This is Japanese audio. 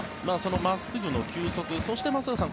真っすぐの球速そして松坂さん